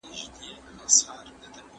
ایا ډېره ډوډۍ به ماڼۍ ته یوړل سي؟